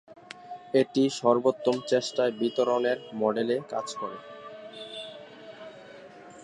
এটি সর্বোত্তম চেষ্টায় বিতরণের মডেলে কাজ করে।